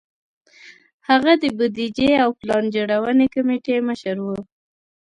هغه د بودیجې او پلان جوړونې کمېټې مشر و.